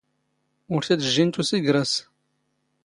ⵓⵔ ⵜⴰ ⴷ ⵊⵊⵉⵏ ⵜⵓⵙⵉ ⴳⵔⴰⵙ.